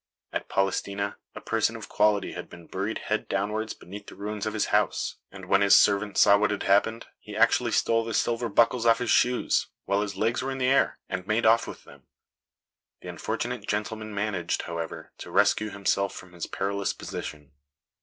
At Polistena a person of quality had been buried head downwards beneath the ruins of his house, and when his servant saw what had happened he actually stole the silver buckles off his shoes, while his legs were in the air, and made off with them. The unfortunate gentleman managed, however, to rescue himself from his perilous position.